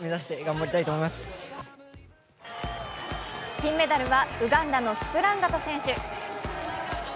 金メダルはウガンダのキプランガト選手。